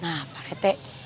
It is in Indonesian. nah pak rete